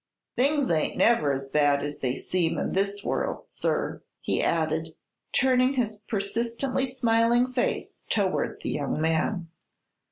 Things ain't never as bad as they seem in this world, sir," he added, turning his persistently smiling face toward the young man.